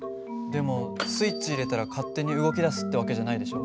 でもスイッチ入れたら勝手に動き出すって訳じゃないでしょ。